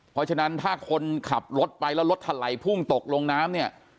เพราะฉะนั้นถ้าคนขับรถไปแล้วรถถลายพุ่งตกลงน้ำเนี่ย